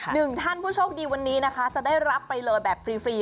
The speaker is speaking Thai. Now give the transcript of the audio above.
หนึ่งท่านผู้โชคดีวันนี้นะคะจะได้รับไปเลยแบบฟรี